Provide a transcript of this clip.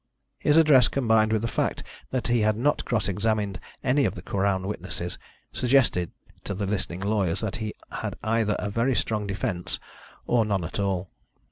His address, combined with the fact that he had not cross examined any of the Crown witnesses, suggested to the listening lawyers that he had either a very strong defence or none at all.